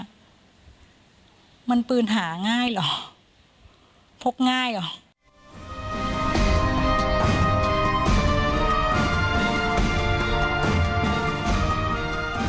มันปืนหาง่ายเหรอพกง่ายเหรอ